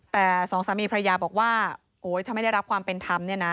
แต่สองสามีพระยาบอกว่าโอ๊ยถ้าไม่ได้รับความเป็นธรรมเนี่ยนะ